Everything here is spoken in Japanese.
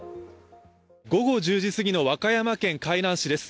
午後１０時すぎの和歌山県海南市です。